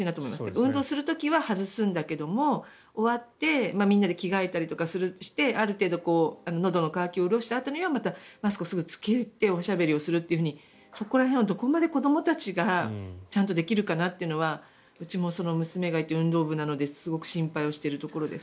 運動する時は外すんだけれども終わってみんなで着替えたりしてある程度のどの渇きを潤したあとにはまたマスクをすぐ着けておしゃべりをするというふうにそこら辺をどこまで子どもたちがちゃんとできるかなっていうのはうちも娘がいて運動部なのですごく心配しているところです。